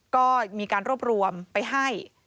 ก็มีการรวบรวมไปให้